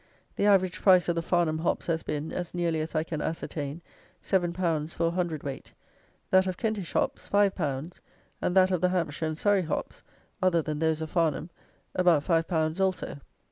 The average price of the Farnham hops has been, as nearly as I can ascertain, seven pounds for a hundredweight; that of Kentish hops, five pounds, and that of the Hampshire and Surrey hops (other than those of Farnham), about five pounds also.